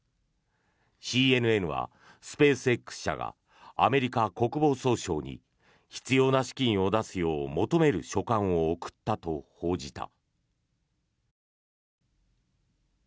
ＣＮＮはスペースＸ社がアメリカ国防総省に必要な資金を出すよう求める書簡を送ったと報じた。